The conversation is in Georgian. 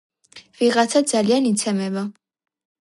ვიღაცა ძალიან იცემება